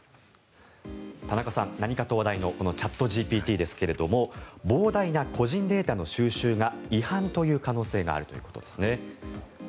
田中さん、何かと話題のこのチャットＧＰＴですが膨大な個人データの収集が違反という可能性があるということですね。